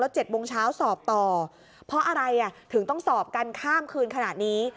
เจ็ดโมงเช้าสอบต่อเพราะอะไรอ่ะถึงต้องสอบกันข้ามคืนขนาดนี้